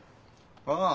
ああ。